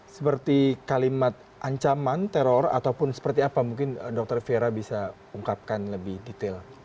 seperti kalimat ancaman teror ataupun seperti apa mungkin dokter fiera bisa ungkapkan lebih detail